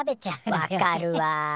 わかるわ。